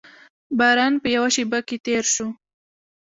باران په یوه شېبه کې تېر شو.